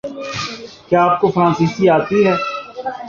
کیا اپ کو فرانسیسی آتی ہے؟